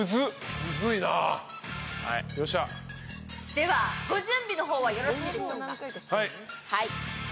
ではご準備の方はよろしいでしょうか。